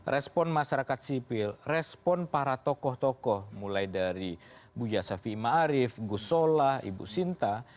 respon masyarakat sipil respon para tokoh tokoh mulai dari bu yasafi ma'arif gus solah ibu sinta